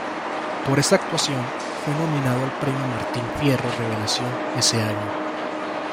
Por esta actuación fue nominado al premio Martín Fierro Revelación ese año.